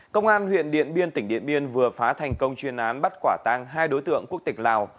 công an huyện điện biên tỉnh điện biên vừa phá thành công chuyên án bắt quả tang hai đối tượng quốc tịch lào